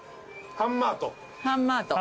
ハンマート。